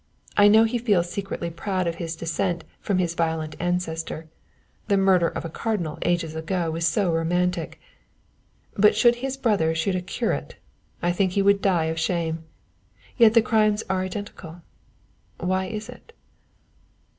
I know he feels secretly proud of his descent from his violent ancestor the murder of a cardinal ages ago is so romantic but should his brother shoot a curate, I think he would die of shame. Yet the crimes are identical. Why is it?